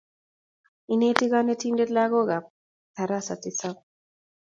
Ineti konetindet lagook kab tarasa tisap